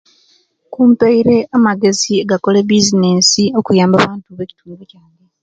Kumpeere amagezi agakola ebisines okuyamba abantu bekitundu